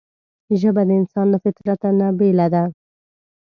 ژبه د انسان له فطرته نه بېله ده